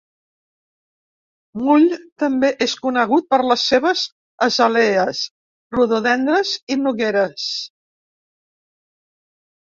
Muli també és conegut per les seves azalees, rododendres i nogueres.